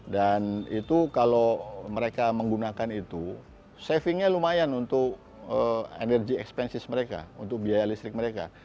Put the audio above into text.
dan itu kalau mereka menggunakan itu savingnya lumayan untuk energy expenses mereka untuk biaya listrik mereka